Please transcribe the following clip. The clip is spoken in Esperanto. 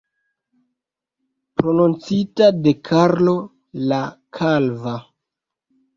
Prononcita de Karlo la Kalva.